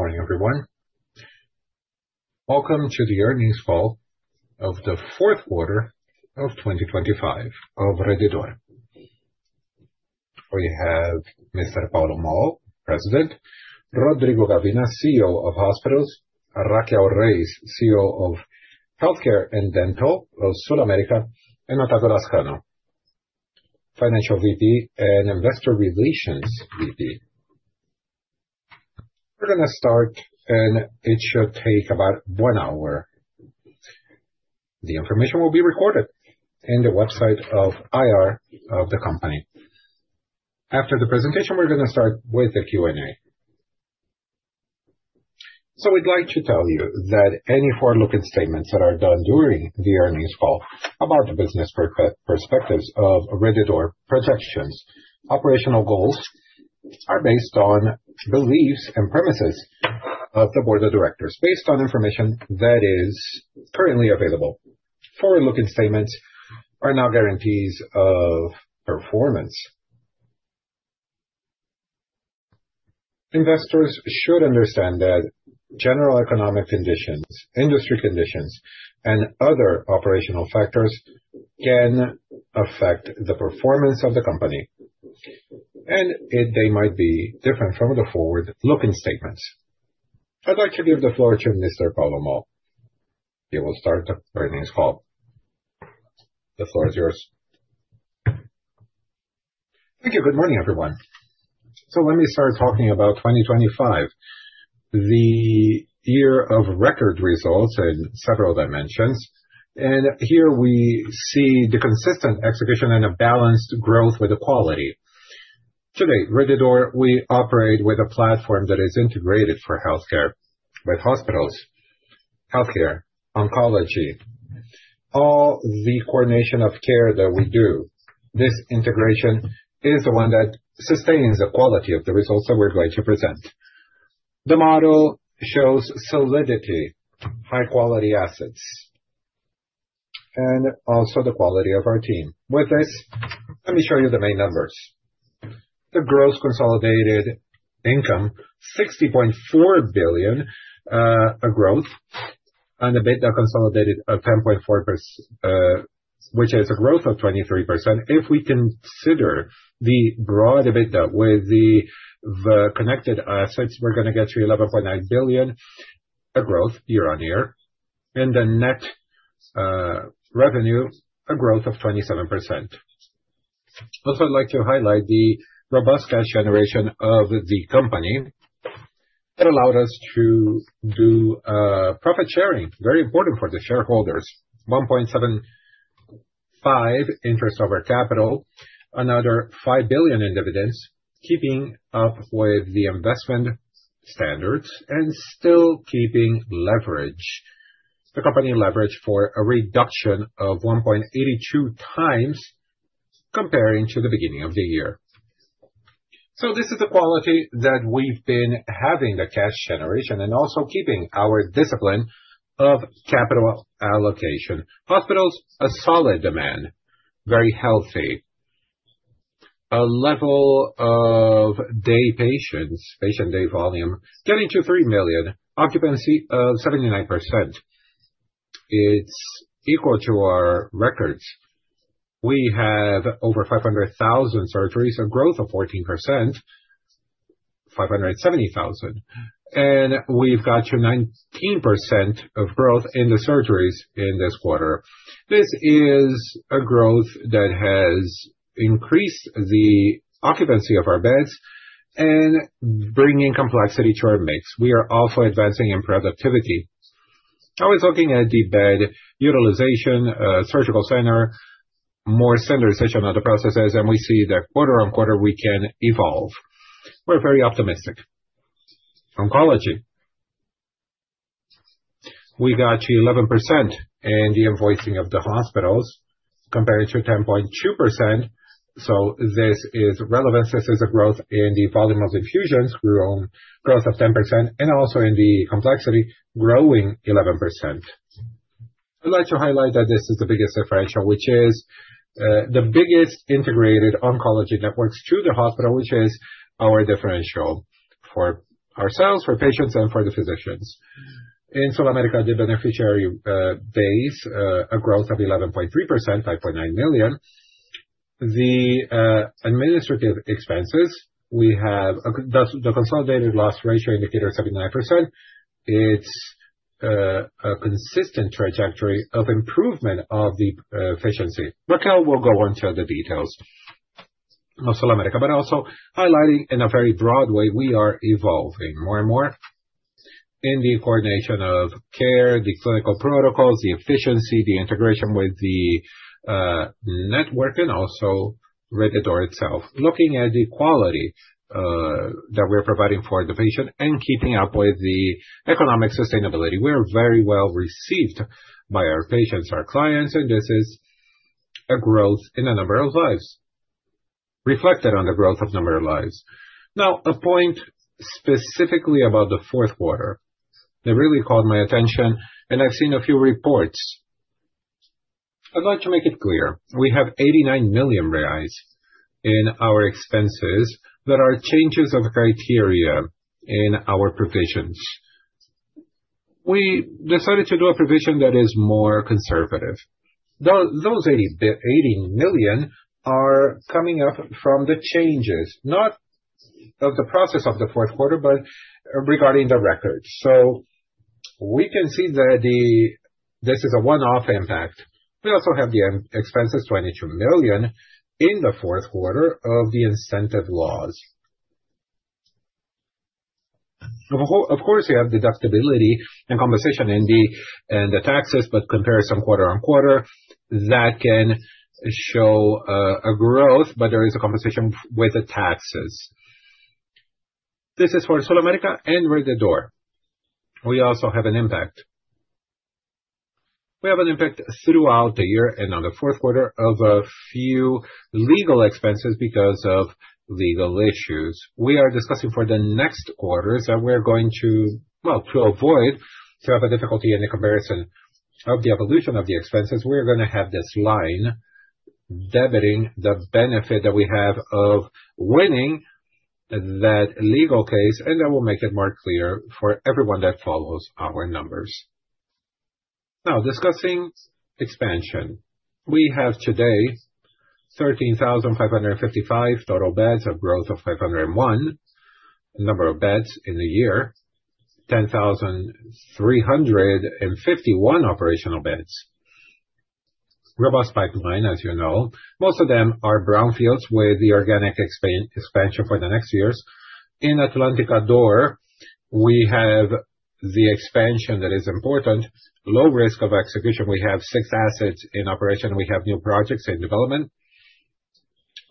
Morning, everyone. Welcome to the earnings call of the fourth quarter of 2025 of Rede D'Or. We have Mr. Paulo Moll, President, Rodrigo Gavina, CEO of Hospitals, Raquel Reis, CEO of Healthcare and Dental of SulAmérica, and Natalia Scrinzi, Financial VP and Investor Relations VP. We're gonna start, and it should take about one hour. The information will be recorded in the website of IR of the company. After the presentation, we're gonna start with the Q&A. We'd like to tell you that any forward-looking statements that are done during the earnings call about the business perspectives of Rede D'Or projections, operational goals, are based on beliefs and premises of the Board of Directors, based on information that is currently available. Forward-looking statements are not guarantees of performance. Investors should understand that general economic conditions, industry conditions, and other operational factors can affect the performance of the company, and they might be different from the forward-looking statements. I'd like to give the floor to Mr. Paulo Moll. He will start the earnings call. The floor is yours. Thank you. Good morning, everyone. Let me start talking about 2025, the year of record results in several dimensions. Here we see the consistent execution and a balanced growth with the quality. Today, Rede D'Or, we operate with a platform that is integrated for healthcare, with hospitals, healthcare, oncology, all the coordination of care that we do. This integration is the one that sustains the quality of the results that we're going to present. The model shows solidity, high quality assets, and also the quality of our team. With this, let me show you the main numbers. The gross consolidated income, 60.4 billion growth, and EBITDA consolidated of 10.4%, which is a growth of 23%. If we consider the broad EBITDA with the connected assets, we're gonna get to 11.9 billion, a growth year-on-year. The net revenue, a growth of 27%. Also, I'd like to highlight the robust cash generation of the company that allowed us to do profit sharing, very important for the shareholders. 1.75 interest on capital, another 5 billion in dividends, keeping up with the investment standards and still keeping leverage. The company leverage for a reduction of 1.82x comparing to the beginning of the year. This is the quality that we've been having the cash generation and also keeping our discipline of capital allocation. Hospitals, a solid demand, very healthy. A level of day patients, patient day volume, getting to 3 million. Occupancy of 79%. It's equal to our records. We have over 500,000 surgeries, a growth of 14%, 570,000. We've got to 19% of growth in the surgeries in this quarter. This is a growth that has increased the occupancy of our beds and bringing complexity to our mix. We are also advancing in productivity. Always looking at the bed utilization, surgical center, more standardization of the processes. We see that quarter-on-quarter we can evolve. We're very optimistic. Oncology. We got to 11% in the invoicing of the hospitals compared to 10.2%. This is relevant since there's a growth in the volume of infusions grew on growth of 10% and also in the complexity growing 11%. I'd like to highlight that this is the biggest differential, which is the biggest integrated oncology networks to the hospital, which is our differential for ourselves, for patients, and for the physicians. In SulAmérica, the beneficiary base, a growth of 11.3%, 5.9 million. The administrative expenses, we have the consolidated loss ratio indicator of 79%. It's a consistent trajectory of improvement of the efficiency. Raquel will go into the details of SulAmérica. Also highlighting in a very broad way, we are evolving more and more in the coordination of care, the clinical protocols, the efficiency, the integration with the network, and also Rede D'Or itself. Looking at the quality that we're providing for the patient and keeping up with the economic sustainability. We're very well received by our patients, our clients. This is a growth in the number of lives. Reflected on the growth of number of lives. A point specifically about the fourth quarter that really caught my attention. I've seen a few reports. I'd like to make it clear, we have 89 million reais in our expenses that are changes of criteria in our provisions. We decided to do a provision that is more conservative. Those 80 million are coming up from the changes, not of the process of the fourth quarter, but regarding the records. We can see that this is a one-off impact. We also have the expenses, 22 million in the fourth quarter of the incentive laws. Of course, you have deductibility and compensation in the taxes. Comparison quarter-on-quarter, that can show a growth. There is a compensation with the taxes. This is for SulAmérica and Rede D'Or. We also have an impact. We have an impact throughout the year and on the fourth quarter of a few legal expenses because of legal issues. We are discussing for the next quarters. Well, to avoid to have a difficulty in the comparison of the evolution of the expenses, we're going to have this line debiting the benefit that we have of winning that legal case. That will make it more clear for everyone that follows our numbers. Discussing expansion. We have today 13,555 total beds, a growth of 501 number of beds in the year. 10,351 operational beds. Robust pipeline, as you know. Most of them are brownfields with the organic expansion for the next years. In Atlântica D'Or, we have the expansion that is important. Low risk of execution. We have six assets in operation. We have new projects in development.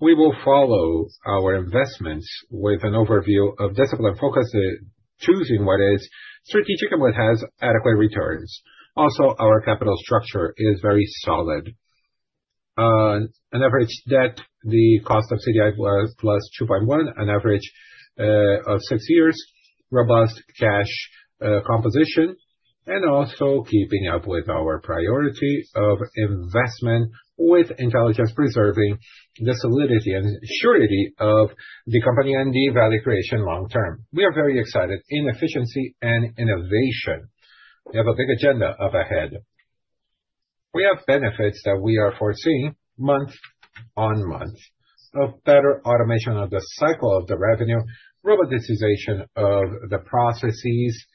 We will follow our investments with an overview of discipline and focus, choosing what is strategic and what has adequate returns. Our capital structure is very solid. An average debt, the cost of CDI was +2.1, an average of six years, robust cash composition, and also keeping up with our priority of investment with intelligence, preserving the solidity and surety of the company and the value creation long term. We are very excited in efficiency and innovation. We have a big agenda up ahead. We have benefits that we are foreseeing month-on-month of better automation of the cycle of the revenue, roboticization of the processes,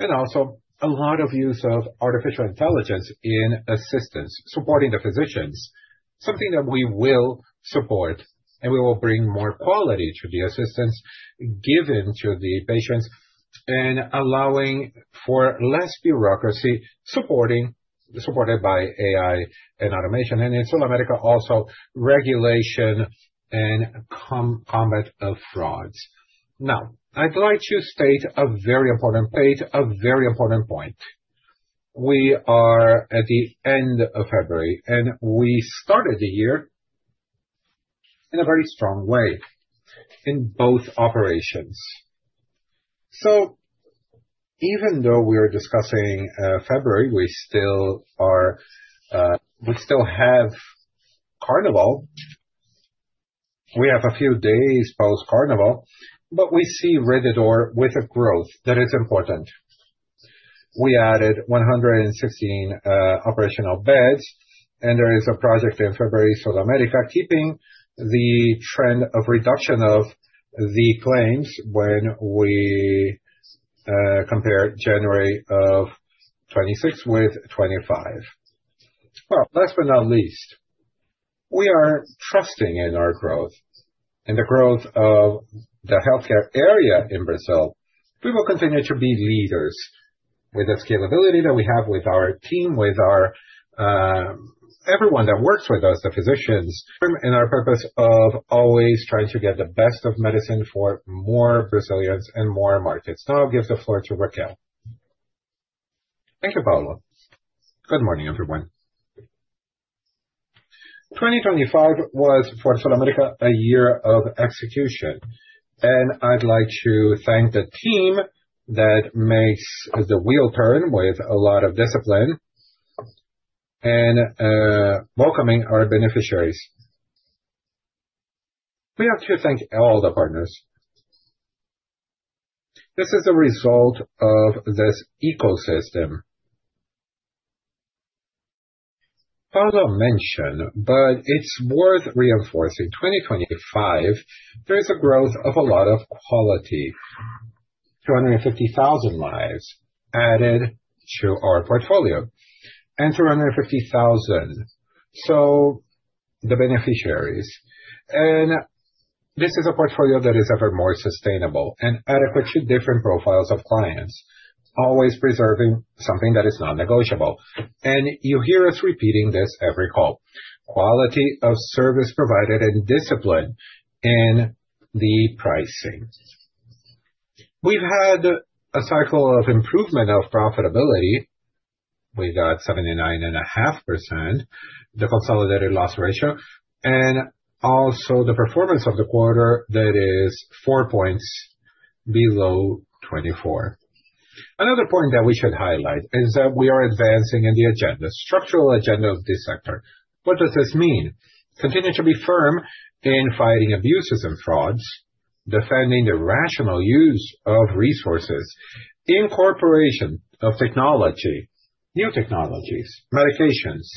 and also a lot of use of artificial intelligence in assistance, supporting the physicians. Something that we will support, and we will bring more quality to the assistance given to the patients and allowing for less bureaucracy supported by AI and automation. In SulAmérica also regulation and combat of frauds. I'd like to paint a very important point. We are at the end of February, and we started the year in a very strong way in both operations. Even though we are discussing February, we still are, we still have Carnival. We have a few days post-Carnival, but we see Rede D'Or with a growth that is important. We added 116 operational beds. There is a project in February, SulAmérica, keeping the trend of reduction of the claims when we compare January of 2026 with 2025. Last but not least, we are trusting in our growth, in the growth of the healthcare area in Brazil. We will continue to be leaders with the scalability that we have with our team, with our everyone that works with us, the physicians, and our purpose of always trying to get the best of medicine for more Brazilians and more markets. Now I'll give the floor to Raquel. Thank you, Paulo. Good morning, everyone. 2025 was for SulAmérica a year of execution. I'd like to thank the team that makes the wheel turn with a lot of discipline and welcoming our beneficiaries. We have to thank all the partners. This is a result of this ecosystem. Paulo mentioned, but it's worth reinforcing. 2025, there's a growth of a lot of quality. 250,000 lives added to our portfolio and 350,000, so the beneficiaries. This is a portfolio that is ever more sustainable and adequate to different profiles of clients, always preserving something that is non-negotiable. You hear us repeating this every call. Quality of service provided and discipline in the pricing. We've had a cycle of improvement of profitability. We got 79.5%, the consolidated loss ratio. Also the performance of the quarter that is 4 points below 24. Another point that we should highlight is that we are advancing in the agenda, structural agenda of this sector. What does this mean? Continue to be firm in fighting abuses and frauds, defending the rational use of resources, the incorporation of technology, new technologies, medications,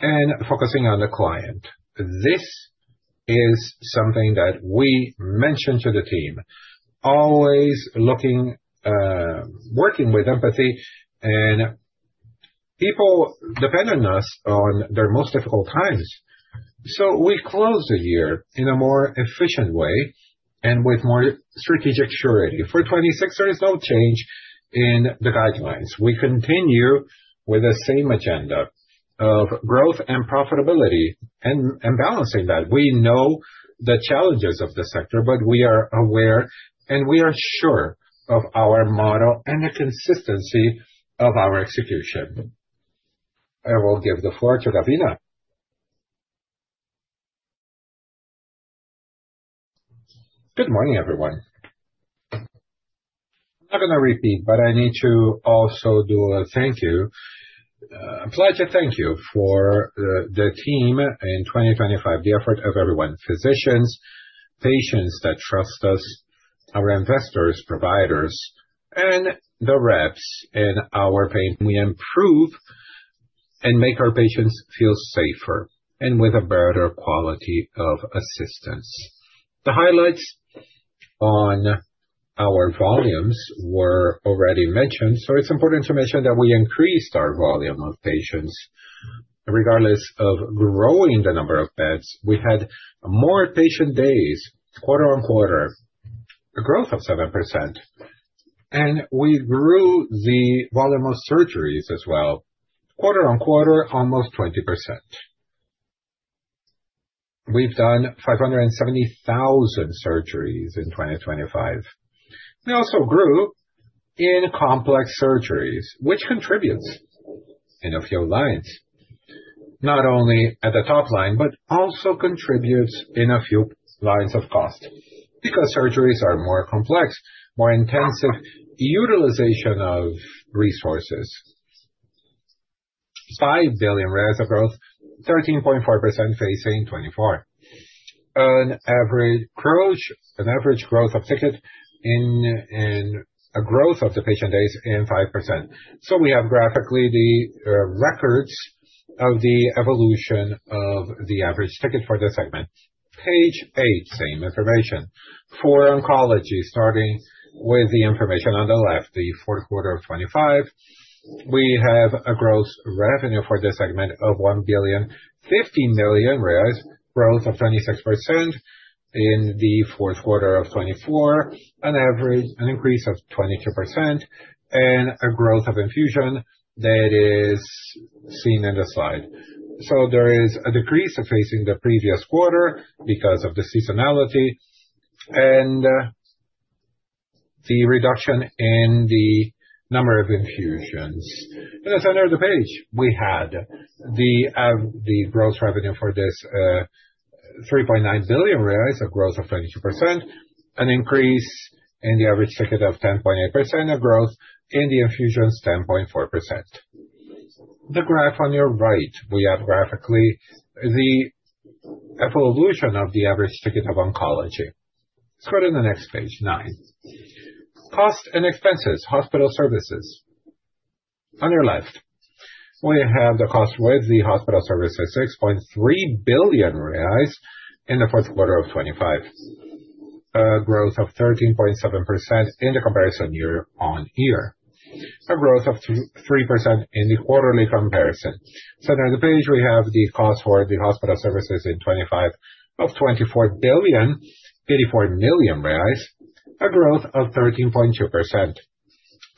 and focusing on the client. This is something that we mention to the team, always looking, working with empathy and people depend on us on their most difficult times. We close the year in a more efficient way and with more strategic surety. For 2026, there is no change in the guidelines. We continue with the same agenda of growth and profitability and balancing that. We know the challenges of the sector, but we are aware and we are sure of our model and the consistency of our execution. I will give the floor to Gavina. Good morning, everyone. I'm not gonna repeat, but I need to also do a thank you. I'd like to thank you for the team in 2025, the effort of everyone, physicians, patients that trust us, our investors, providers and the reps in our pain we improve and make our patients feel safer and with a better quality of assistance. The highlights on our volumes were already mentioned. It's important to mention that we increased our volume of patients regardless of growing the number of beds. We had more patient days quarter-on-quarter, a growth of 7%, and we grew the volume of surgeries as well, quarter-on-quarter, almost 20%. We've done 570,000 surgeries in 2025. We also grew in complex surgeries, which contributes in a few lines, not only at the top line, but also contributes in a few lines of cost because surgeries are more complex, more intensive utilization of resources. 5 billion of growth, 13.4% facing 2024. An average growth of ticket in a growth of the patient days in 5%. We have graphically the records of the evolution of the average ticket for this segment. Page 8, same information. For oncology, starting with the information on the left, the fourth quarter of 2025. We have a gross revenue for this segment of 1.05 billion, growth of 26% in the fourth quarter of 2024, an average increase of 22% and a growth of infusion that is seen in the slide. There is a decrease facing the previous quarter because of the seasonality and the reduction in the number of infusions. In the center of the page, we had the gross revenue for this, 3.9 billion reais, a growth of 22%, an increase in the average ticket of 10.8%, a growth in the infusions 10.4%. The graph on your right, we have graphically the evolution of the average ticket of oncology. Let's go to the next page nine. Costs and expenses, hospital services. On your left, we have the cost with the hospital services, 6.3 billion reais in the fourth quarter of 2025. A growth of 13.7% in the year-on-year comparison. A growth of 3% in the quarterly comparison. Center of the page, we have the cost for the hospital services in 2025 of 24.084 billion, a growth of 13.2%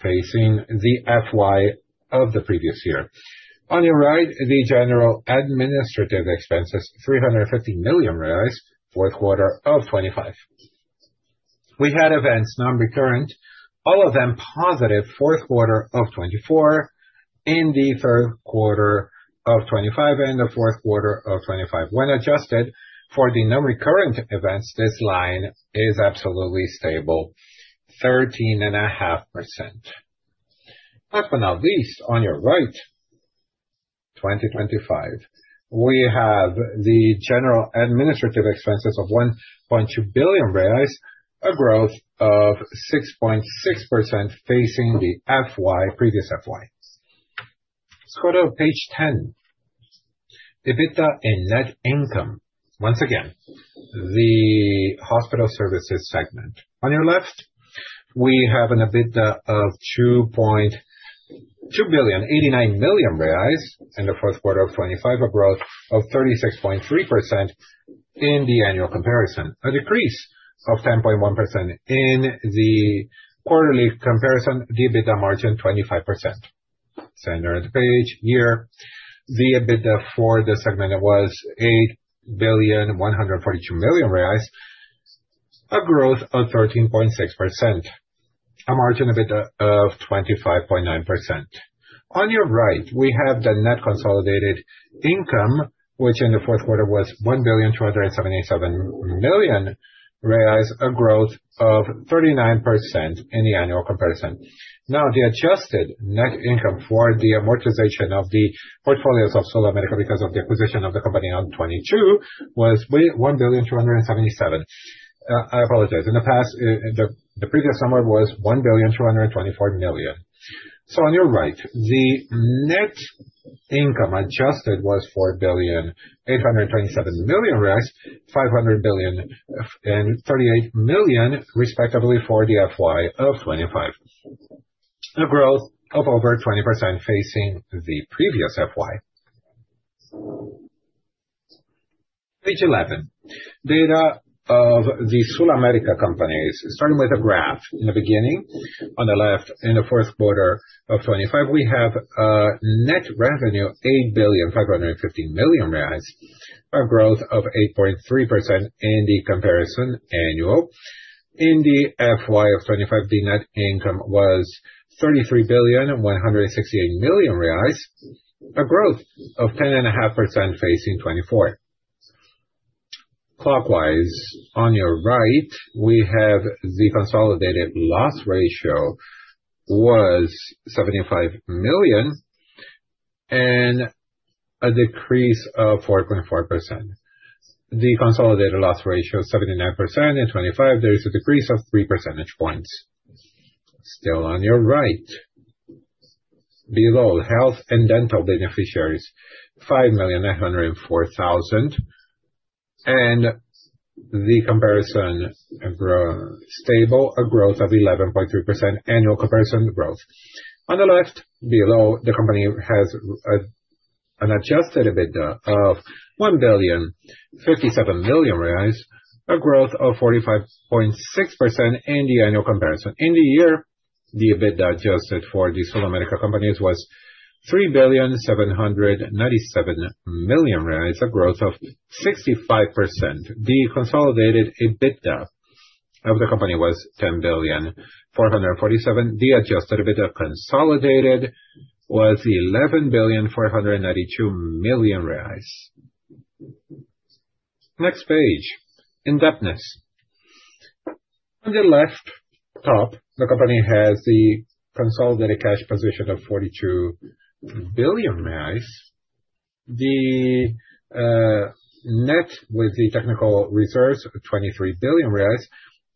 facing the FY of the previous year. On your right, the general administrative expenses, 350 million reais, fourth quarter of 2025. We had events non-recurrent, all of them positive fourth quarter of 2024, in the third quarter of 2025 and the fourth quarter of 2025. When adjusted for the non-recurrent events, this line is absolutely stable, 13.5%. Last but not least, on your right, 2025, we have the general administrative expenses of 1.2 billion reais, a growth of 6.6% facing the FY, previous FY. Let's go to page 10. EBITDA and net income. Once again, the hospital services segment. On your left, we have an EBITDA of 2,289 million reais in the first quarter of 2025, a growth of 36.3% in the year-over-year comparison. A decrease of 10.1% in the quarter-over-quarter comparison, the EBITDA margin 25%. Center of the page, year, the EBITDA for this segment was 8,142 million reais, a growth of 13.6%. A margin EBITDA of 25.9%. On your right, we have the net consolidated income, which in the fourth quarter was 1,277 million reais, a growth of 39% in the year-over-year comparison. The adjusted net income for the amortization of the portfolios of SulAmérica, because of the acquisition of the company on 2022, was 1,277 million. I apologize. In the past-- the previous number was 1.224 billion. On your right, the net income adjusted was 4.827 billion, 500 billion and 38 million, respectively, for the FY of 2025. A growth of over 20% facing the previous FY. Page 11. Data of the SulAmérica companies, starting with a graph. In the beginning, on the left, in the fourth quarter of 2025, we have a net revenue of 8.550 billion. A growth of 8.3% in the comparison annual. In the FY of 2025, the net income was 33.168 billion. A growth of 10.5% facing 2024. Clockwise. On your right, we have the consolidated loss ratio was 75 million and a decrease of 4.4%. The consolidated loss ratio is 79%. In 2025, there is a decrease of three percentage points. Still on your right, below health and dental beneficiaries, 5,904,000. The comparison grow stable, a growth of 11.3% annual comparison growth. On the left below, the company has an adjusted EBITDA of 1,057 million reais, a growth of 45.6% in the annual comparison. In the year, the EBITDA adjusted for the SulAmérica companies was 3,797 million reais, a growth of 65%. The consolidated EBITDA of the company was 10,447 million. The adjusted EBITDA consolidated was 11,492 million reais. Next page, Indebtedness. On the left top, the company has the consolidated cash position of 42 billion reais. The net with the technical reserves, 23 billion reais.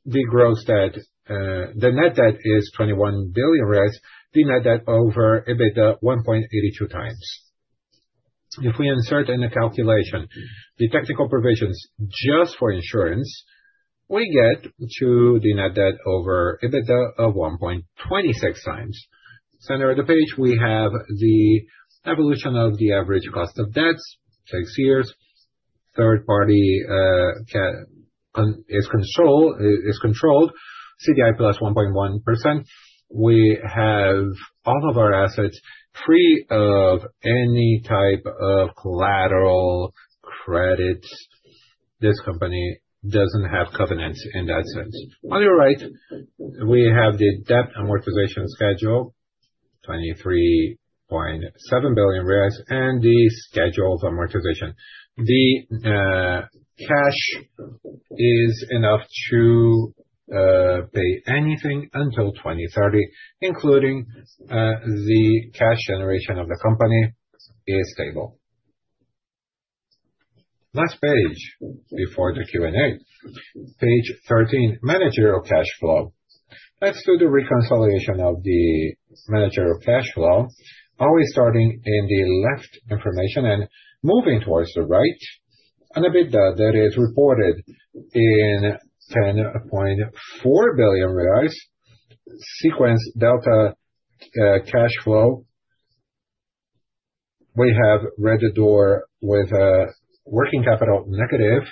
The net debt is 21 billion reais. The net debt over EBITDA 1.82x. If we insert in the calculation the technical provisions just for insurance, we get to the net debt over EBITDA of 1.26x. Center of the page, we have the evolution of the average cost of debts, six years. Third party is controlled CDI plus 1.1%. We have all of our assets free of any type of collateral credits. This company doesn't have covenants in that sense. On your right, we have the debt amortization schedule, 23.7 billion, and the schedule for amortization. The cash is enough to pay anything until 2030, including the cash generation of the company is stable. Last page before the Q&A. Page 13, Managerial Cash Flow. Let's do the reconciliation of the managerial cash flow, always starting in the left information and moving towards the right. An EBITDA that is reported in 10.4 billion reais. Sequence delta, cash flow. We have Rede D'Or with a working capital negative,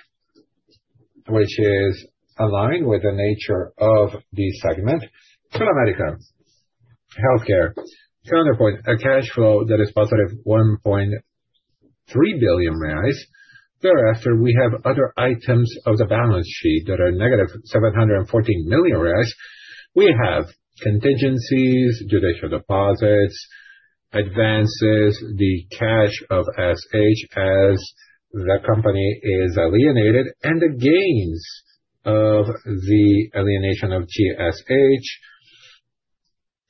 which is aligned with the nature of the segment. SulAmérica Healthcare counterpoint, a cash flow that is positive 1.3 billion reais. Thereafter, we have other items of the balance sheet that are negative 714 million reais. We have contingencies, judicial deposits, advances, the cash of SH as the company is alienated, and the gains of the alienation of GSH.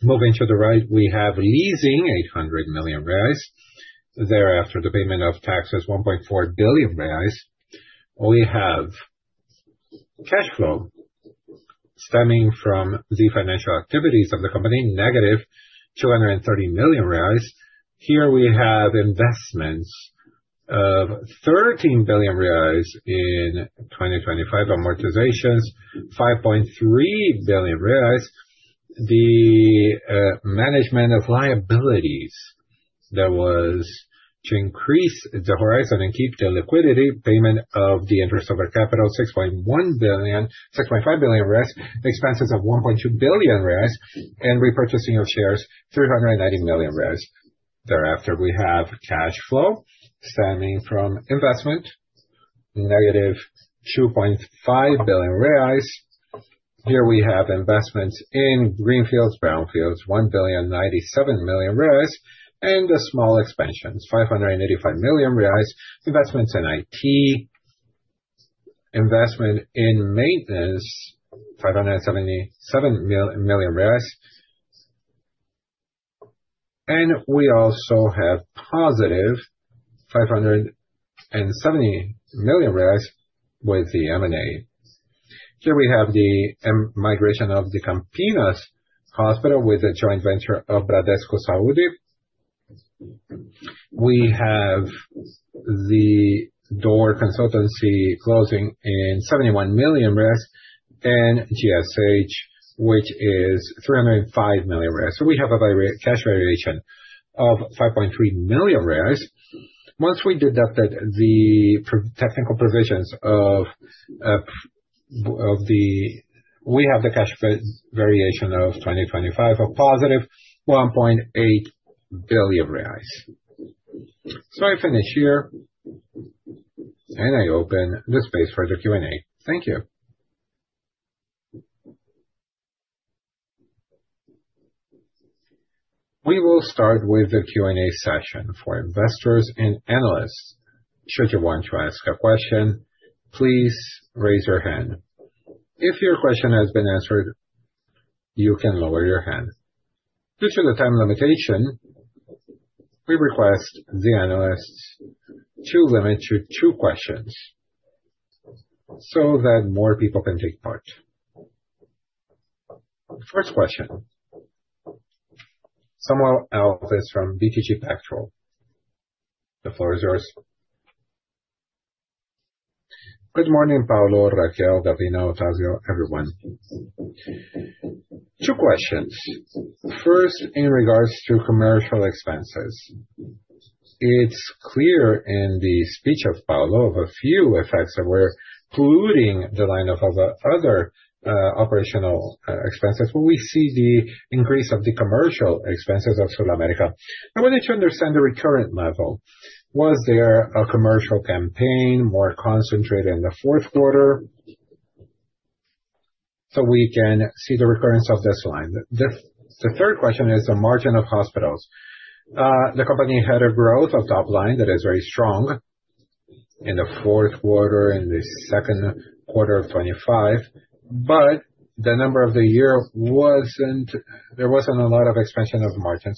Moving to the right, we have leasing 800 million reais. The payment of taxes, 1.4 billion reais. We have cash flow stemming from the financial activities of the company, negative 230 million reais. We have investments of 13 billion reais in 2025. Amortizations, 5.3 billion reais. The management of liabilities, that was to increase the horizon and keep the liquidity payment of the interest on capital 6.5 billion. Expenses of 1.2 billion and repurchasing of shares, 390 million. We have cash flow stemming from investment, negative 2.5 billion reais. We have investments in greenfields, brownfields, 1.097 billion, and the small expansions, 585 million reais. Investments in IT, investment in maintenance, BRL 577 million. We also have positive 570 million with the M&A. Here we have the migration of the Campinas Hospital with a joint venture of Bradesco Saúde. We have the D'Or Consultoria closing in 71 million and GSH, which is 305 million. We have a cash variation of 5.3 million. Once we deducted the technical provisions. We have the cash variation of 2025 of positive 1.8 billion reais. I finish here, and I open the space for the Q&A. Thank you. We will start with the Q&A session for investors and analysts. Should you want to ask a question, please raise your hand. If your question has been answered, you can lower your hand. Due to the time limitation, we request the analysts to limit to 2 questions so that more people can take part. First question, Samuel Alves from BTG Pactual. The floor is yours. Good morning, Paulo, Raquel, Gavina, Otavio, everyone. Two questions. First, in regards to commercial expenses, it's clear in the speech of Paulo of a few effects that were polluting the line of other operational expenses. Will we see the increase of the commercial expenses of SulAmérica? I wanted to understand the recurrent level. Was there a commercial campaign more concentrated in the fourth quarter so we can see the recurrence of this line? The third question is the margin of hospitals. The company had a growth of top line that is very strong in the fourth quarter, in the second quarter of 2025. There wasn't a lot of expansion of margin.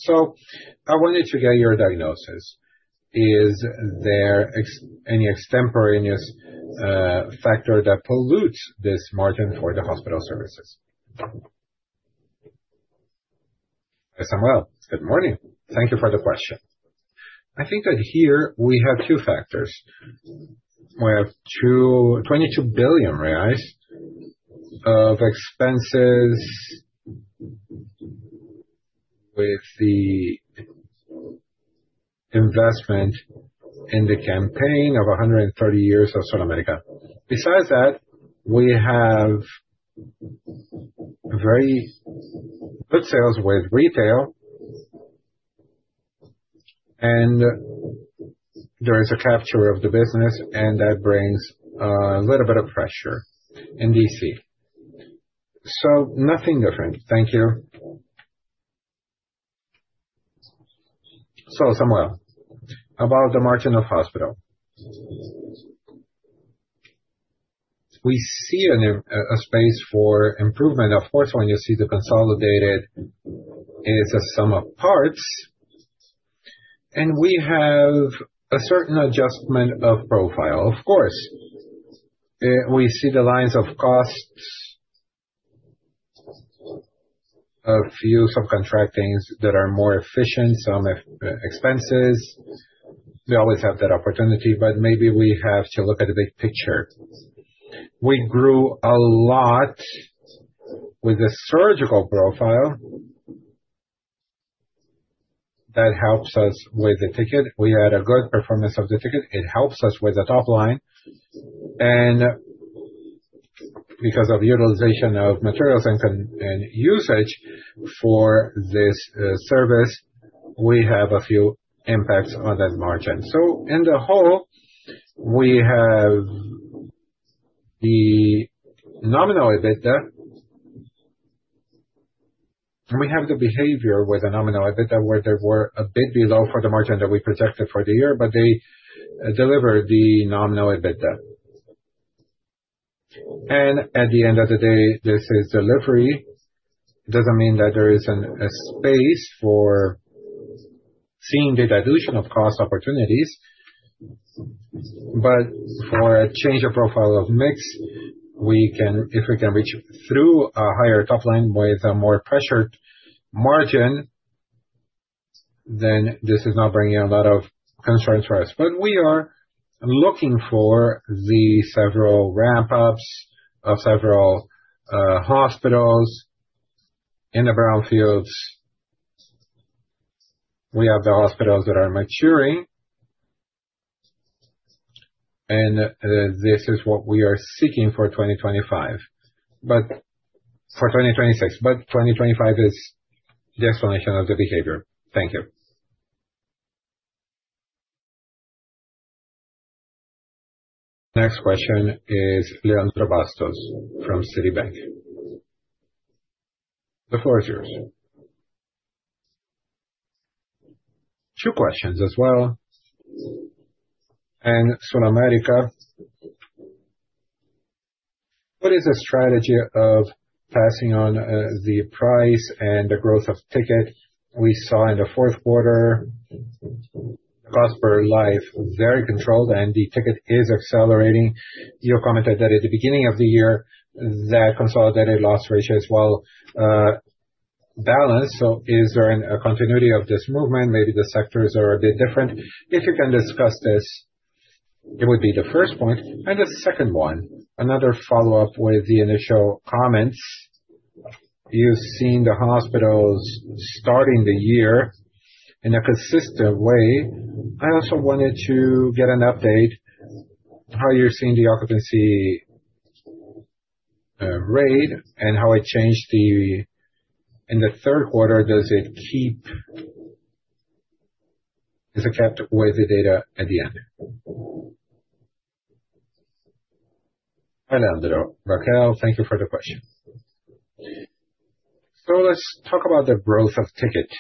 I wanted to get your diagnosis. Is there any extemporaneous factor that pollutes this margin for the hospital services? Hi, Samuel. Good morning. Thank you for the question. I think that here we have two factors. We have 22 billion reais of expenses with the investment in the campaign of 130 years of SulAmérica. Besides that, we have very good sales with retail, and there is a capture of the business, and that brings a little bit of pressure in DC. Nothing different. Thank you. Samuel, about the margin of hospital. We see a space for improvement. When you see the consolidated, it is a sum of parts. We have a certain adjustment of profile. We see the lines of costs, a few subcontractings that are more efficient, some ex-expenses. We always have that opportunity. Maybe we have to look at the big picture. We grew a lot with the surgical profile. That helps us with the ticket. We had a good performance of the ticket. It helps us with the top line. Because of utilization of materials and usage for this service, we have a few impacts on that margin. In the whole, we have the nominal EBITDA. We have the behavior with the nominal EBITDA, where they were a bit below for the margin that we projected for the year. They delivered the nominal EBITDA. At the end of the day, this is delivery. It doesn't mean that there isn't a space for seeing the dilution of cost opportunities. For a change of profile of mix, if we can reach through a higher top line with a more pressured margin, then this is not bringing a lot of concerns for us. We are looking for the several ramp-ups of several hospitals in the brownfields. We have the hospitals that are maturing. This is what we are seeking for 2025. For 2026, but 2025 is the explanation of the behavior. Thank you. Next question is Leandro Bastos from Citibank. The floor is yours. Two questions as well. SulAmérica, what is the strategy of passing on the price and the growth of ticket we saw in the fourth quarter? Cost per life is very controlled and the ticket is accelerating. You commented that at the beginning of the year that consolidated loss ratio as well, balanced. Is there a continuity of this movement? Maybe the sectors are a bit different. If you can discuss this, it would be the first point. The second one, another follow-up with the initial comments. You've seen the hospitals starting the year in a consistent way. I also wanted to get an update how you're seeing the occupancy rate and how it changed. In the third quarter, is it kept with the data at the end? Leandro, Raquel, thank you for the questions. Let's talk about the growth of ticket.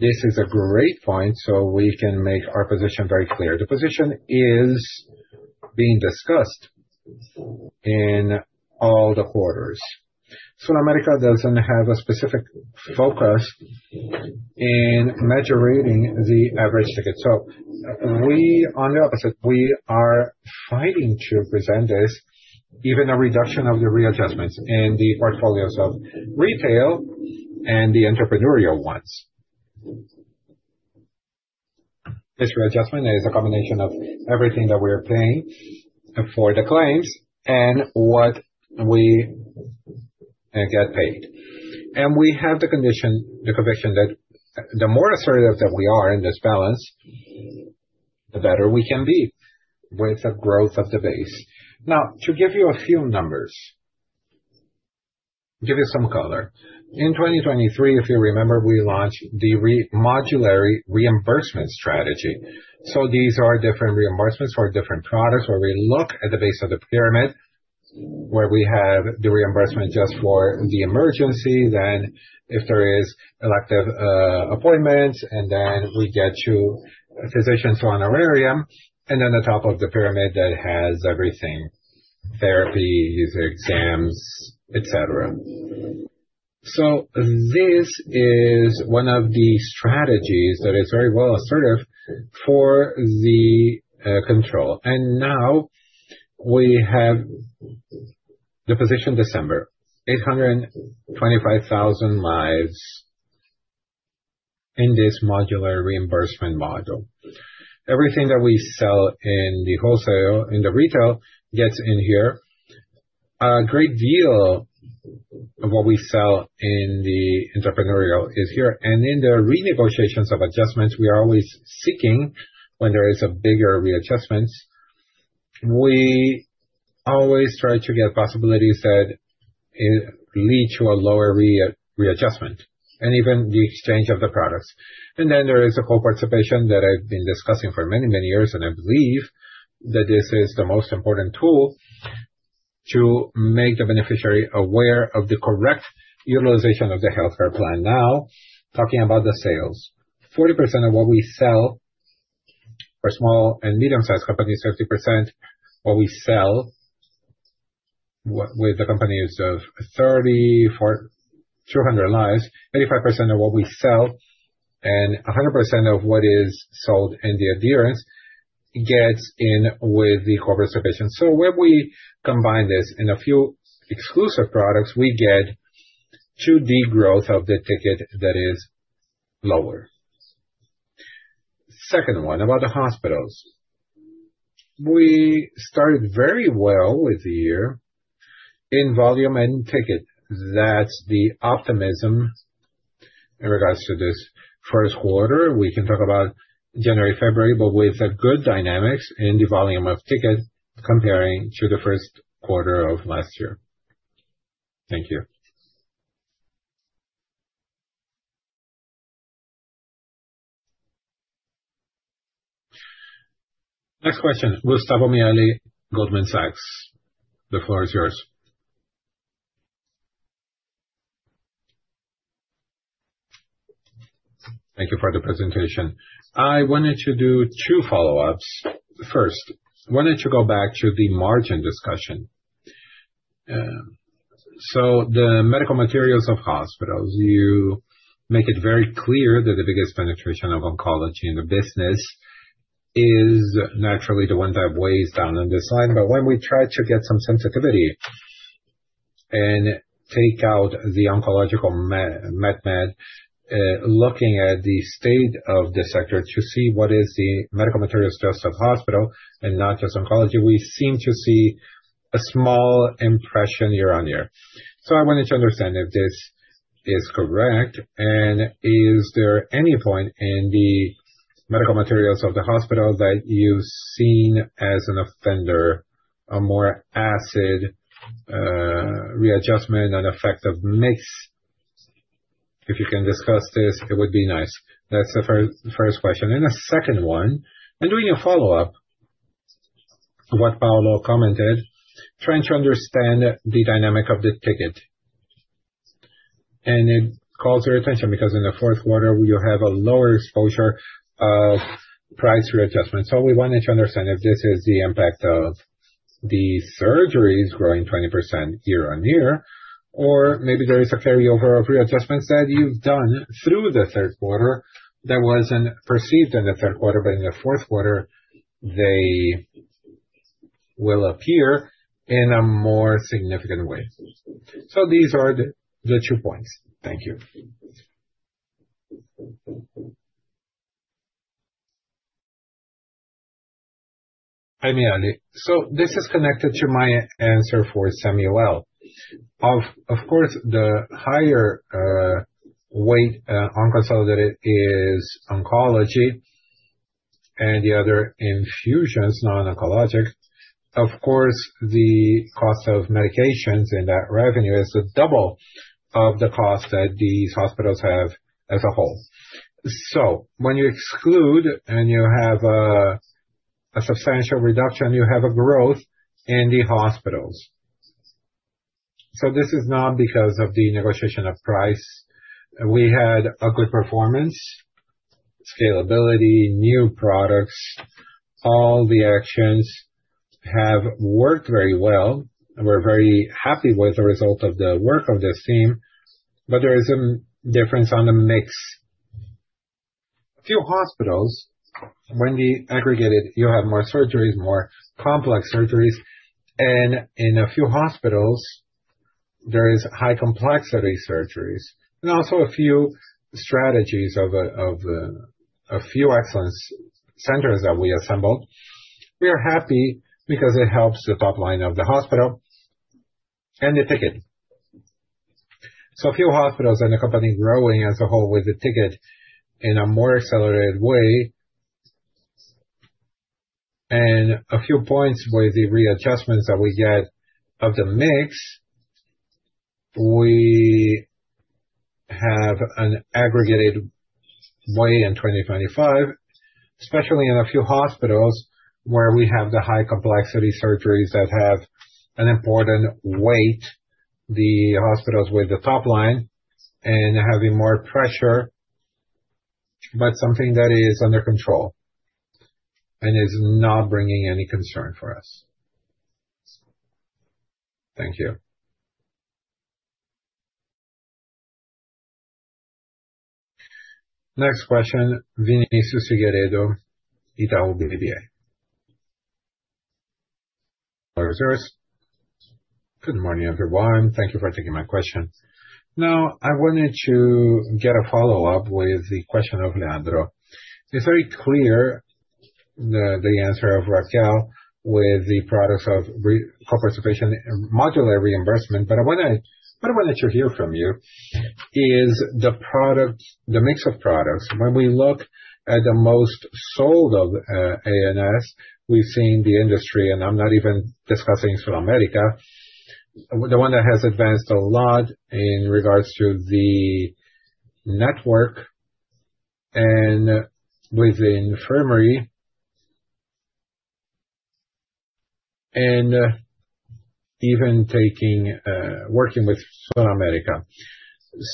This is a great point, so we can make our position very clear. The position is being discussed in all the quarters. SulAmérica doesn't have a specific focus in moderating the average ticket. On the opposite, we are fighting to present this, even a reduction of the readjustments in the portfolios of retail and the entrepreneurial ones. This readjustment is a combination of everything that we are paying for the claims and what we get paid. We have the condition, the conviction that the more assertive that we are in this balance, the better we can be with the growth of the base. To give you a few numbers, give you some color. In 2023, if you remember, we launched the modular reimbursement strategy. These are different reimbursements for different products, where we look at the base of the pyramid, where we have the reimbursement just for the emergency, then if there is elective appointments, and then we get to physicians who on our area, and then the top of the pyramid that has everything, therapy, user exams, et cetera. This is one of the strategies that is very well assertive for the control. Now we have the position December, 825,000 lives in this modular reimbursement model. Everything that we sell in the wholesale, in the retail, gets in here. A great deal of what we sell in the entrepreneurial is here. In the renegotiations of adjustments, we are always seeking when there is a bigger readjustment. We always try to get possibilities that lead to a lower re-readjustment and even the exchange of the products. There is a co-participation that I've been discussing for many years, and I believe that this is the most important tool to make the beneficiary aware of the correct utilization of the healthcare plan. Now, talking about the sales. 40% of what we sell for small and medium-sized companies, 30% what we sell with the companies of 30, 4, 200 lives, 85% of what we sell and 100% of what is sold in the adherence gets in with the corporate participation. When we combine this in a few exclusive products, we get to the growth of the ticket that is lower. Second one, about the hospitals. We started very well with the year in volume and ticket. That's the optimism in regards to this first quarter. We can talk about January, February. With a good dynamics in the volume of ticket comparing to the first quarter of last year. Thank you. Next question, Gustavo Miele, Goldman Sachs. The floor is yours. Thank you for the presentation. I wanted to do two follow-ups. Wanted to go back to the margin discussion. The medical materials of hospitals, you make it very clear that the biggest penetration of oncology in the business is naturally the one that weighs down on this line. When we try to get some sensitivity and take out the oncological med-med, looking at the state of the sector to see what is the medical materials just of hospital and not just oncology, we seem to see a small impression year-over-year. I wanted to understand if this is correct and is there any point in the Medical materials of the hospital that you've seen as an offender, a more acid readjustment and effect of mix. If you can discuss this, it would be nice. That's the first question. The second one, doing a follow-up to what Paulo commented, trying to understand the dynamic of the ticket. It calls your attention because in the fourth quarter, you have a lower exposure of price readjustment. We wanted to understand if this is the impact of the surgeries growing 20% year-on-year, or maybe there is a carryover of readjustments that you've done through the third quarter that wasn't perceived in the third quarter, but in the fourth quarter they will appear in a more significant way. These are the two points. Thank you. Hi, Miele. This is connected to my answer for Samuel. Of course, the higher weight on consolidated is oncology and the other infusions, non-oncologic. Of course, the cost of medications in that revenue is double of the cost that these hospitals have as a whole. When you exclude and you have a substantial reduction, you have a growth in the hospitals. This is not because of the negotiation of price. We had a good performance, scalability, new products. All the actions have worked very well. We're very happy with the result of the work of this team, there is some difference on the mix. A few hospitals, when you aggregate it, you have more surgeries, more complex surgeries, and in a few hospitals, there is high complexity surgeries. Also a few strategies of a few excellence centers that we assembled. We are happy because it helps the top line of the hospital and the ticket. A few hospitals and the company growing as a whole with the ticket in a more accelerated way. A few points with the readjustments that we get of the mix, we have an aggregated way in 2025, especially in a few hospitals where we have the high complexity surgeries that have an important weight, the hospitals with the top line and having more pressure, but something that is under control and is not bringing any concern for us. Thank you. Next question, Vinicius Figueiredo, Itaú BBA. Good morning, everyone. Thank you for taking my question. Now, I wanted to get a follow-up with the question of Leandro. It's very clear the answer of Raquel with the products of co-preservation and modular reimbursement. What I wanted to hear from you is the product, the mix of products. When we look at the most sold of ANS, we've seen the industry, and I'm not even discussing SulAmérica. The one that has advanced a lot in regards to the network and with the infirmary. Even taking working with SulAmérica.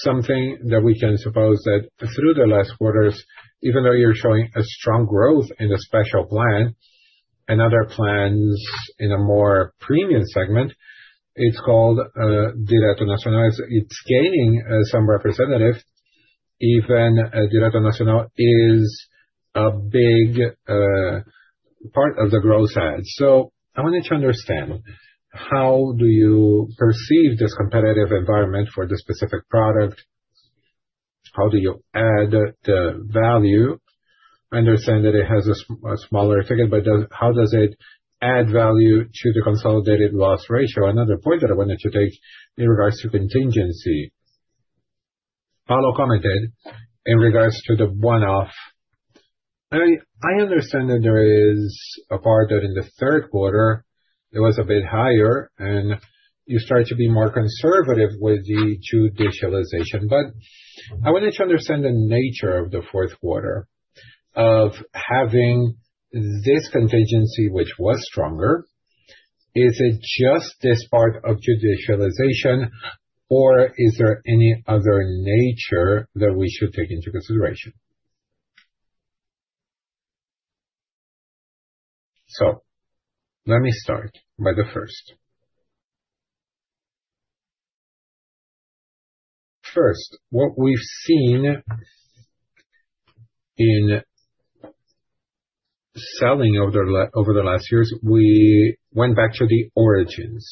Something that we can suppose that through the last quarters, even though you're showing a strong growth in a special plan and other plans in a more premium segment, it's called Direto Nacional, it's gaining some representatives, even Direto Nacional is a big part of the growth side. I wanted to understand, how do you perceive this competitive environment for this specific product? How do you add the value? I understand that it has a smaller ticket, how does it add value to the consolidated loss ratio? Another point that I wanted to take in regards to contingency. Paulo commented in regards to the one-off. I understand that there is a part that in the third quarter it was a bit higher, and you start to be more conservative with the judicialization. I wanted to understand the nature of the fourth quarter of having this contingency, which was stronger. Is it just this part of judicialization or is there any other nature that we should take into consideration? Let me start by the first. First, what we've seen in selling over the last years, we went back to the origins.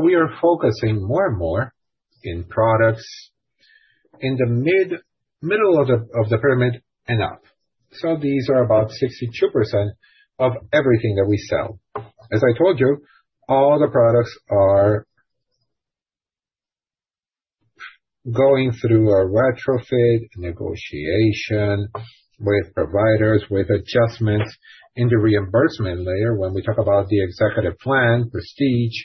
We are focusing more and more in products in the mid-middle of the pyramid and up. These are about 62% of everything that we sell. As I told you, all the products going through a retrofit negotiation with providers, with adjustments in the reimbursement layer. When we talk about the executive plan Prestige,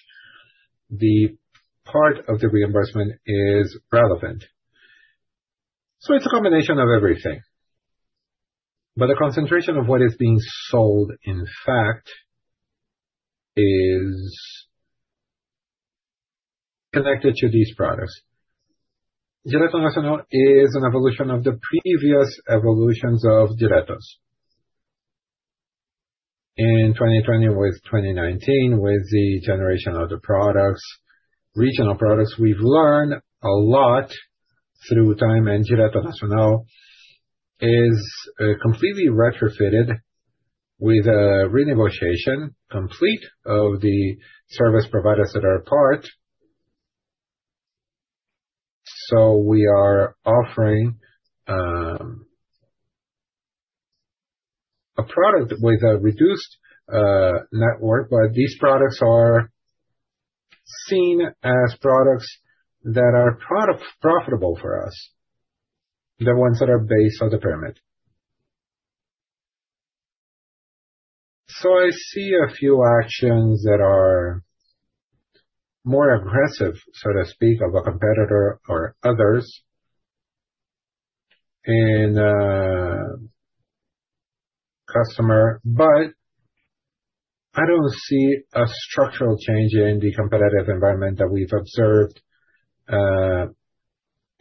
the part of the reimbursement is relevant. It's a combination of everything, but the concentration of what is being sold, in fact, is connected to these products. Direto Nacional is an evolution of the previous evolutions of Diretos. In 2020 with 2019, with the generation of the products, regional products. We've learned a lot through time, Direto Nacional is completely retrofitted with a renegotiation complete of the service providers that are a part. We are offering a product with a reduced network. These products are seen as products that are product profitable for us, the ones that are based on the permit. I see a few actions that are more aggressive, so to speak, of a competitor or others and customer. I don't see a structural change in the competitive environment that we've observed in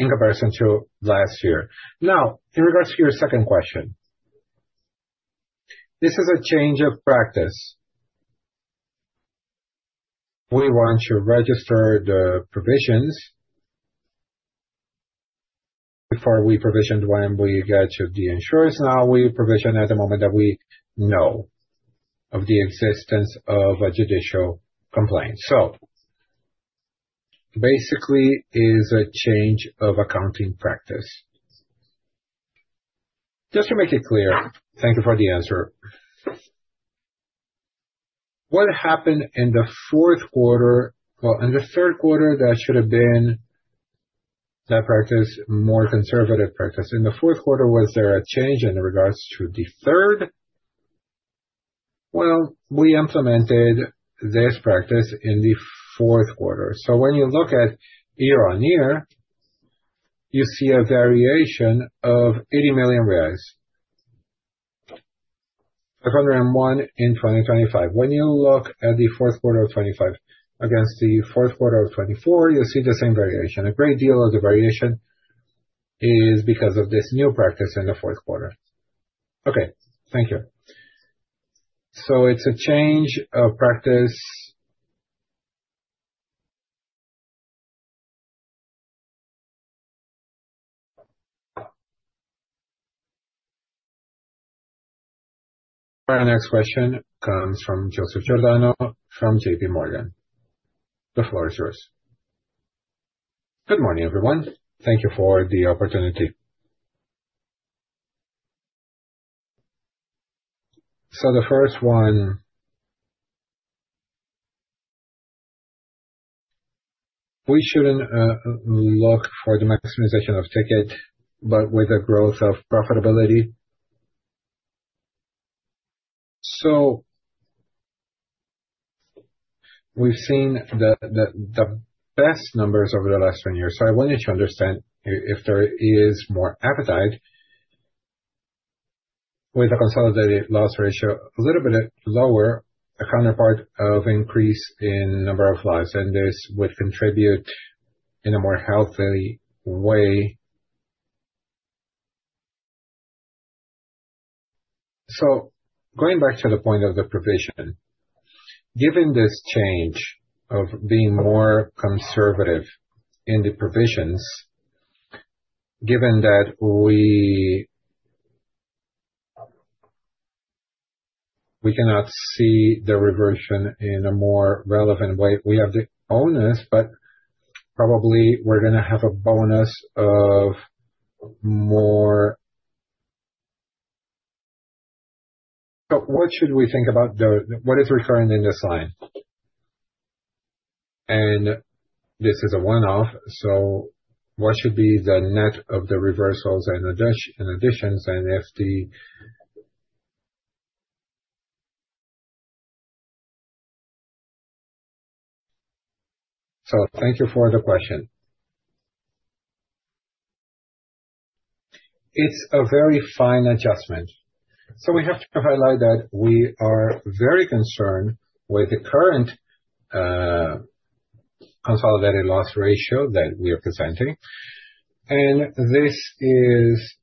comparison to last year. In regards to your second question, this is a change of practice. We want to register the provisions. Before we provisioned when we get to the insurers. We provision at the moment that we know of the existence of a judicial complaint. Basically is a change of accounting practice. Just to make it clear, thank you for the answer. What happened in the fourth quarter? In the third quarter, that should have been that practice, more conservative practice. In the fourth quarter, was there a change in regards to the third? We implemented this practice in the fourth quarter. When you look at year-on-year, you see a variation of 80 million reais. 101 in 2025. When you look at the fourth quarter of 2025 against the fourth quarter of 2024, you'll see the same variation. A great deal of the variation is because of this new practice in the fourth quarter. Okay. Thank you. It's a change of practice. Our next question comes from Joseph Giordano from J.P. Morgan. The floor is yours. Good morning, everyone. Thank you for the opportunity. The first one. We shouldn't look for the maximization of ticket, but with the growth of profitability. We've seen the best numbers over the last 10 years. I want you to understand if there is more appetite with a consolidated loss ratio, a little bit lower counterpart of increase in number of lives, and this would contribute in a more healthy way. Going back to the point of the provision, given this change of being more conservative in the provisions, given that we cannot see the reversion in a more relevant way. We have the bonus, but probably we're gonna have a bonus of more... What should we think about what is referring in this line? This is a one-off, what should be the net of the reversals and additions and if the. Thank you for the question. It's a very fine adjustment. We have to highlight that we are very concerned with the current consolidated loss ratio that we are presenting. This is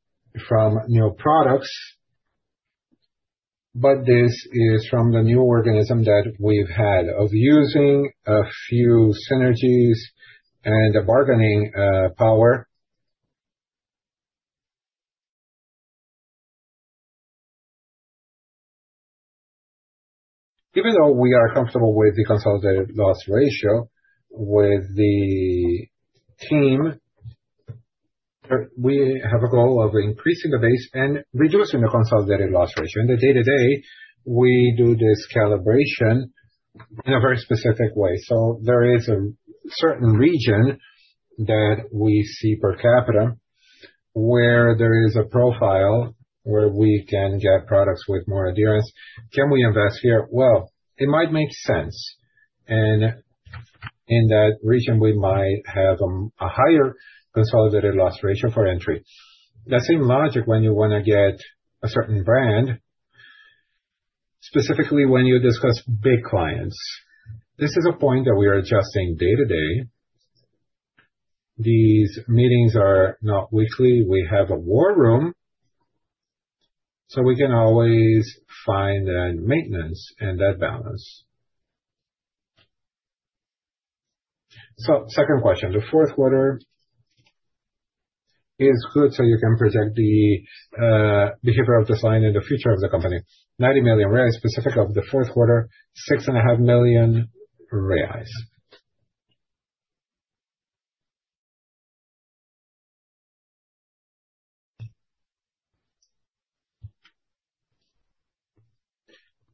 from new products, but this is from the new organism that we've had of using a few synergies and a bargaining power. Even though we are comfortable with the consolidated loss ratio with the team. We have a goal of increasing the base and reducing the consolidated loss ratio. In the day-to-day, we do this calibration in a very specific way. There is a certain region that we see per capita where there is a profile where we can get products with more adherence. Can we invest here? Well, it might make sense. In that region, we might have a higher consolidated loss ratio for entry. That same logic when you wanna get a certain brand, specifically when you discuss big clients. This is a point that we are adjusting day to day. These meetings are not weekly. We have a war room, so we can always find that maintenance and that balance. Second question. The fourth quarter is good, so you can present the behavior of design and the future of the company. 90 million reais, specific of the fourth quarter, six and a half million reais.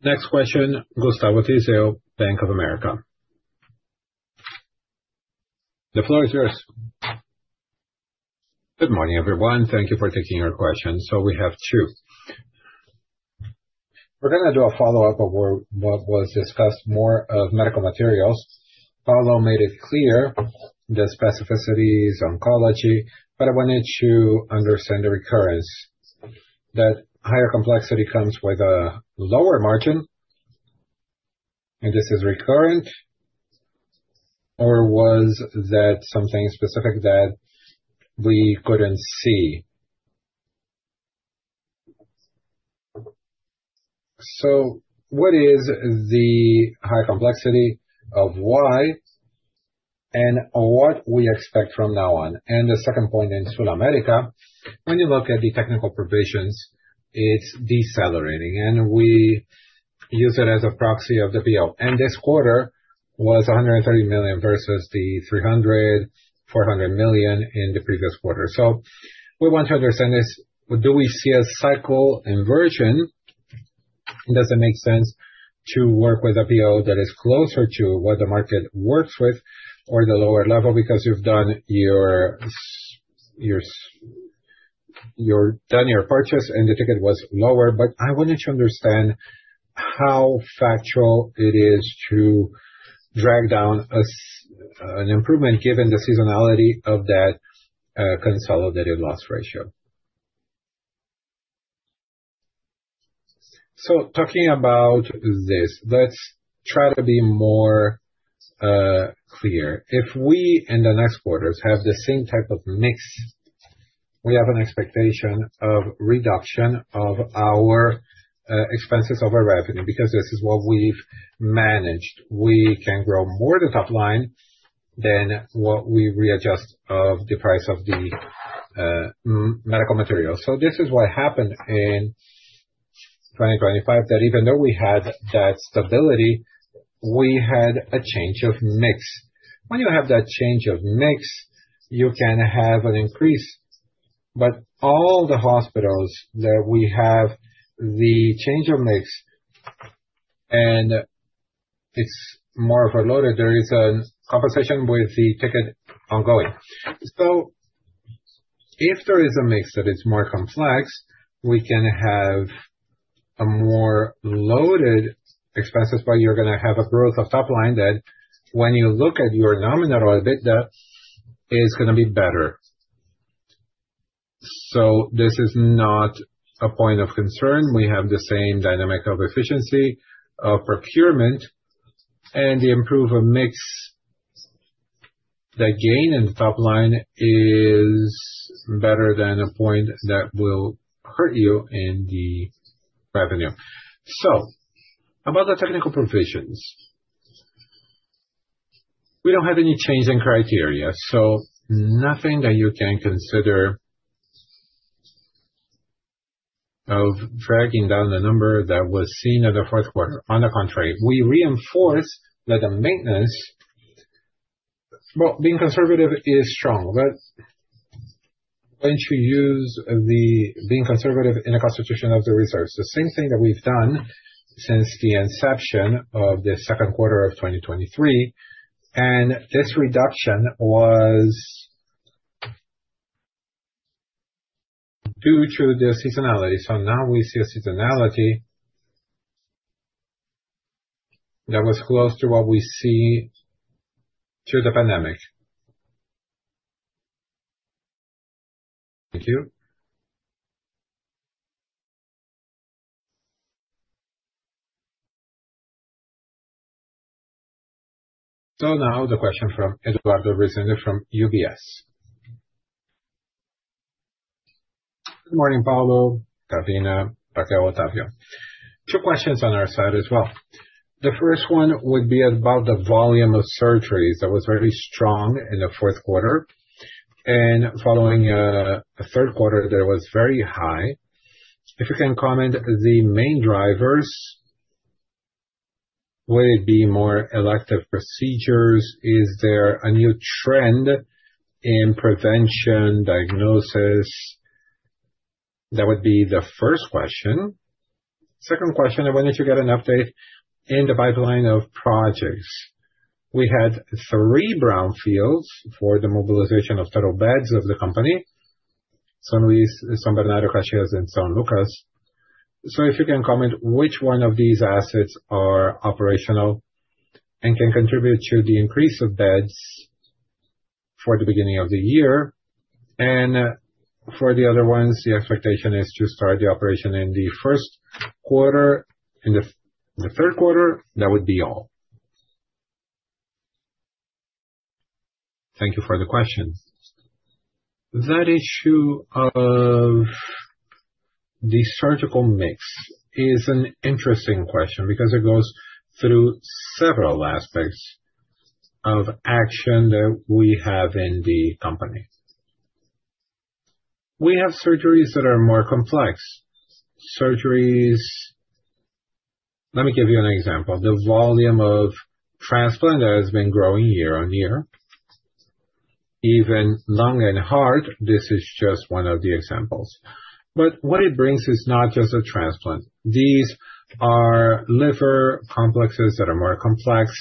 Next question, Gustavo Tiseo, Bank of America. The floor is yours. Good morning, everyone. Thank you for taking our questions. We have two. We're gonna do a follow-up of what was discussed more of medical materials. Paulo made it clear the specificities, oncology, but I wanted to understand the recurrence. That higher complexity comes with a lower margin, and this is recurrent, or was that something specific that we couldn't see? What is the high complexity, of why, and what we expect from now on? The second point in SulAmérica, when you look at the technical provisions, it's decelerating, and we use it as a proxy of the P.O. This quarter was 130 million versus the 300 million-400 million in the previous quarter. We want to understand this. Do we see a cycle inversion? Does it make sense to work with a PO that is closer to what the market works with or the lower level? You've done your purchase, and the ticket was lower. I wanted to understand how factual it is to drag down an improvement given the seasonality of that consolidated loss ratio. Talking about this, let's try to be more clear. If we, in the next quarters, have the same type of mix, we have an expectation of reduction of our expenses over revenue because this is what we've managed. We can grow more the top line than what we readjust of the price of the medical materials. This is what happened in 2025, that even though we had that stability, we had a change of mix. When you have that change of mix, you can have an increase. All the hospitals that we have the change of mix, and it's more of a loaded, there is a conversation with the ticket ongoing. If there is a mix that is more complex, we can have a more loaded expenses, but you're gonna have a growth of top line that when you look at your nominal EBITDA, it's gonna be better. This is not a point of concern. We have the same dynamic of efficiency of procurement and the improve of mix. The gain in top line is better than a point that will hurt you in the revenue. About the technical provisions. We don't have any change in criteria, so nothing that you can consider of dragging down the number that was seen at the fourth quarter. On the contrary, we reinforce that the maintenance. Well, being conservative is strong, but once you use the being conservative in a constitution of the resource, the same thing that we've done since the inception of the second quarter of 2023, and this reduction was due to the seasonality. Now we see a seasonality that was close to what we see through the pandemic. Thank you. Now the question from Eduardo Resende from UBS. Good morning, Paulo, Raquel, Rodrigo, Otávio. Two questions on our side as well. The first one would be about the volume of surgeries that was very strong in the fourth quarter and following a third quarter that was very high. If you can comment the main drivers. Will it be more elective procedures? Is there a new trend in prevention, diagnosis? That would be the first question. Second question, when did you get an update in the pipeline of projects? We had three brownfields for the mobilization of total beds of the company, some in São Bernardo do Campo and São Lucas. If you can comment which one of these assets are operational and can contribute to the increase of beds for the beginning of the year. For the other ones, the expectation is to start the operation in the first quarter, in the third quarter. That would be all. Thank you for the question. That issue of the surgical mix is an interesting question because it goes through several aspects of action that we have in the company. We have surgeries that are more complex. Surgeries. Let me give you an example. The volume of transplant has been growing year-on-year, even lung and heart. This is just one of the examples. What it brings is not just a transplant. These are liver complexes that are more complex,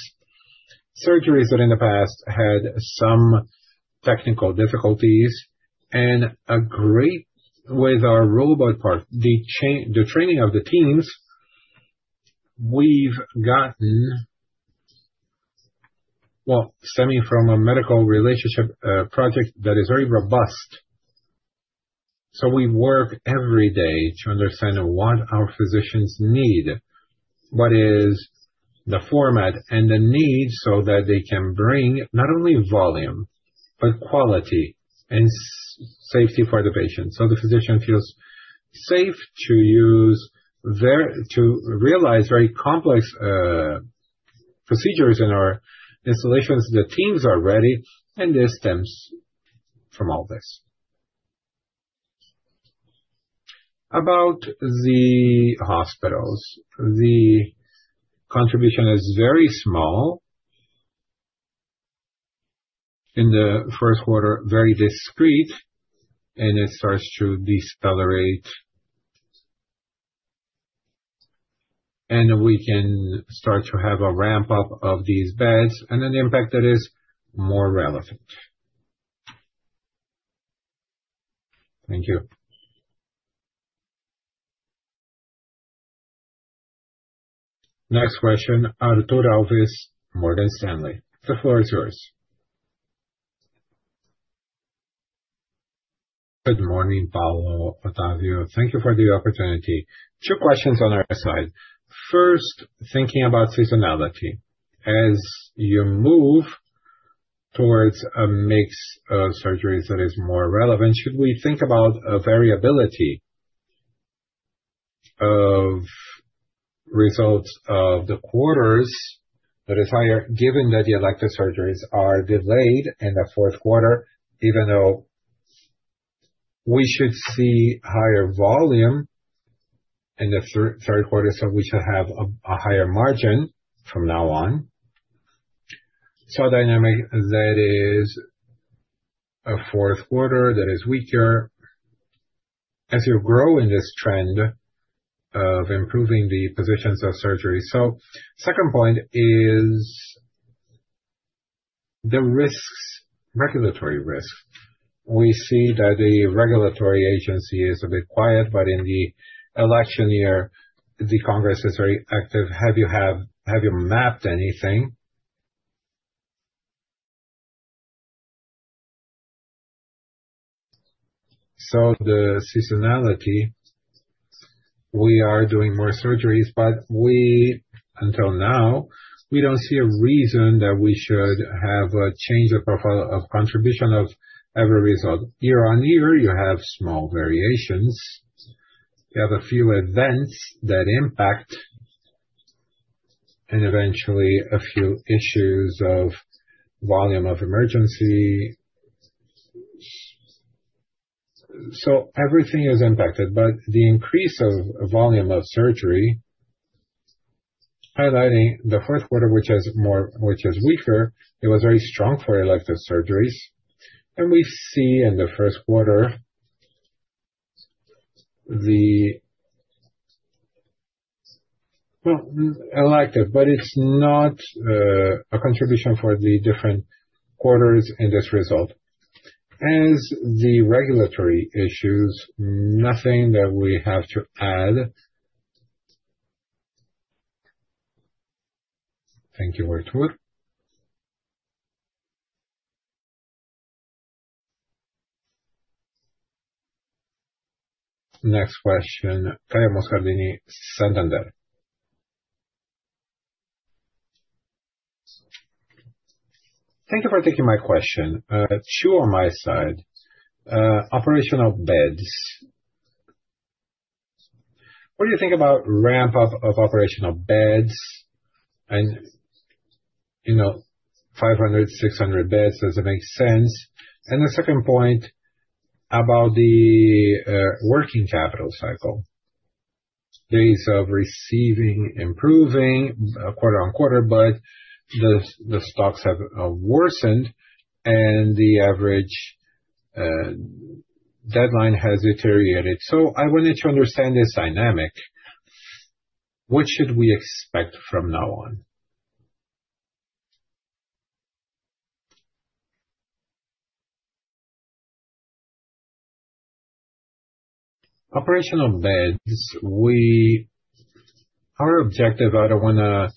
surgeries that in the past had some technical difficulties and agree with our robot part, the training of the teams we've gotten, well, stemming from a medical relationship, project that is very robust. We work every day to understand what our physicians need, what is the format and the need, so that they can bring not only volume, but quality and safety for the patient. The physician feels safe to use very complex procedures in our installations. The teams are ready, and this stems from all this. About the hospitals, the contribution is very small. In the first quarter, very discreet, and it starts to decelerate. We can start to have a ramp-up of these beds, and then the impact that is more relevant. Thank you. Next question, Arthur Alvin, Morgan Stanley. The floor is yours. Good morning, Paulo, Otavio. Thank you for the opportunity. Two questions on our side. First, thinking about seasonality. As you move towards a mix of surgeries that is more relevant, should we think about a variability of results of the quarters that is higher, given that the elective surgeries are delayed in the fourth quarter, even though we should see higher volume in the third quarter, we should have a higher margin from now on. Dynamic that is a fourth quarter that is weaker as you grow in this trend of improving the positions of surgery. Second point is the risks, regulatory risks. We see that the regulatory agency is a bit quiet, in the election year, the Congress is very active. Have you mapped anything? The seasonality, we are doing more surgeries, we until now, we don't see a reason that we should have a change of profile of contribution of every result. Year-over-year, you have small variations. You have a few events that impact and eventually a few issues of volume of emergency. Everything is impacted. The increase of volume of surgery, highlighting the fourth quarter, which is weaker, it was very strong for elective surgeries. We see in the first quarter Well, I like it, but it's not a contribution for the different quarters in this result. As the regulatory issues, nothing that we have to add. Thank you, Arthur. Next question, Caio Moscardini, Santander. Thank you for taking my question. Two on my side. Operational beds. What do you think about ramp up of operational beds? You know, 500, 600 beds, does it make sense? The second point about the working capital cycle. Days of receiving improving quarter on quarter, but the stocks have worsened and the average deadline has deteriorated. I wanted to understand this dynamic. What should we expect from now on? Operational beds, our objective, I don't wanna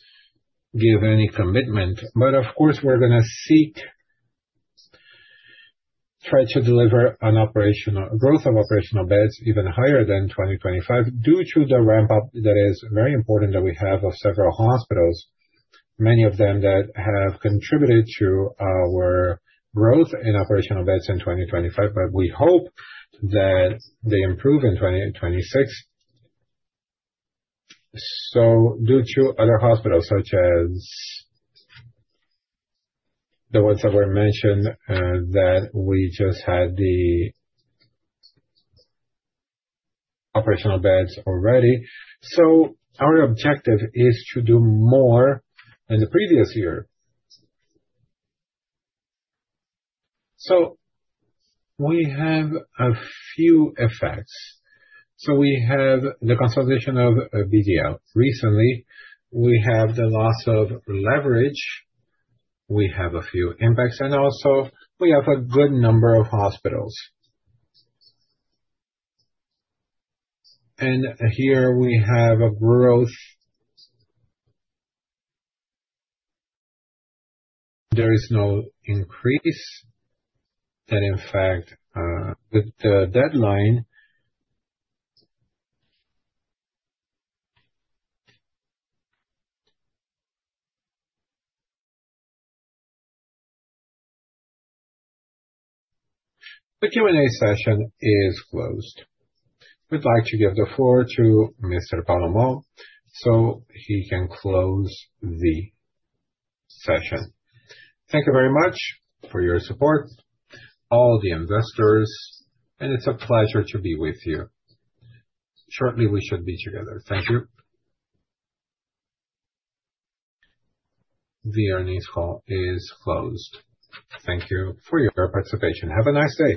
give any commitment, but of course, we're gonna seek, try to deliver a growth of operational beds even higher than 2025 due to the ramp up that is very important that we have of several hospitals, many of them that have contributed to our growth in operational beds in 2025. We hope that they improve in 2026. Due to other hospitals, such as the ones that were mentioned, that we just had the operational beds already. Our objective is to do more than the previous year. We have a few effects. We have the consolidation of BDL. Recently, we have the loss of leverage. We have a few impacts. Also we have a good number of hospitals. Here we have a growth. There is no increase. In fact, with the deadline. The Q&A session is closed. We'd like to give the floor to Mr. Paulo Moll, so he can close the session. Thank you very much for your support, all the investors, and it's a pleasure to be with you. Shortly, we should be together. Thank you. The earnings call is closed. Thank you for your participation. Have a nice day.